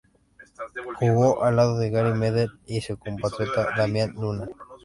Jugó al lado de Gary Medel y su compatriota Damián Luna.